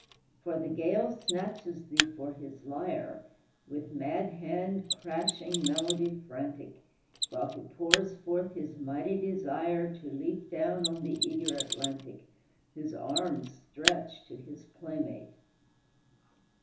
For the gale snatches thee for his lyre, With mad hand crashing melody frantic, While he pours forth his mighty desire To leap down on the eager Atlantic, Whose arms stretch to his playmate.